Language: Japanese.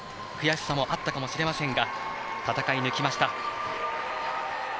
悔しさもあったかもしれませんが戦い抜きました。